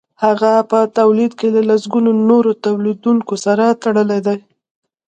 هغه په تولید کې له سلګونو نورو تولیدونکو سره تړلی دی